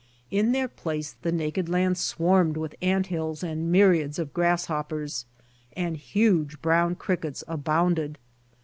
In their place the naked land swarmed with ant hills and myriads of grasshoppers and huge brown crickets abounded.